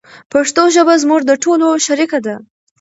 پښتو ژبه زموږ د ټولو شریکه ده.